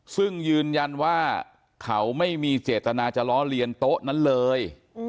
ซึ่งยืนยันว่าเขาไม่มีเจตนาจะล้อเลียนโต๊ะนั้นเลย